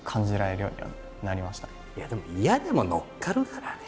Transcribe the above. いやでも嫌でも乗っかるからね。